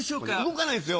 動かないんですよ。